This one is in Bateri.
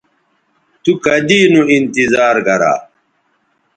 تو کدی نو انتظار گرا